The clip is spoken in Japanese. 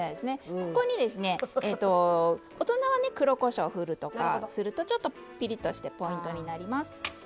ここに、大人は黒こしょう振るとかするとちょっと、ピリッとしてポイントになります。